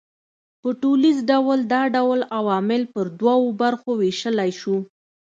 په ټوليز ډول دا ډول عوامل پر دوو برخو وېشلای سو